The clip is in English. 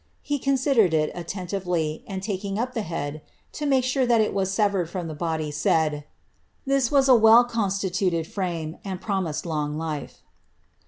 He considered it attentively, and taking up the head, to make sure that it was severed from the body, said^ " This was a well constituted frame, and promised long life.''